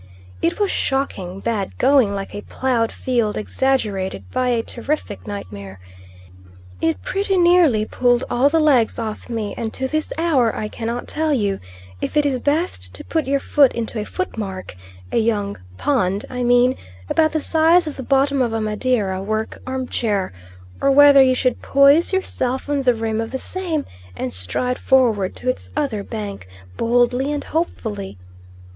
It was shocking bad going like a ploughed field exaggerated by a terrific nightmare. It pretty nearly pulled all the legs off me, and to this hour I cannot tell you if it is best to put your foot into a footmark a young pond, I mean about the size of the bottom of a Madeira work arm chair, or whether you should poise yourself on the rim of the same, and stride forward to its other bank boldly and hopefully.